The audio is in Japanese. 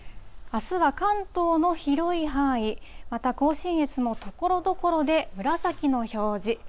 あすは関東の広い範囲、また甲信越もところどころで紫の表示。